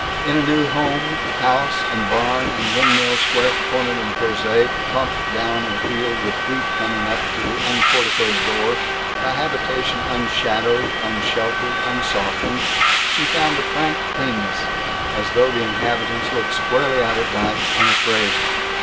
In a new home, house and barn and windmill square cornered and prosaic, plumped down in a field with wheat coming up to the unporticoed door, a habitation unshadowed, unsheltered, unsoftened, she found a frank cleanness, as though the inhabitants looked squarely out at life, unafraid.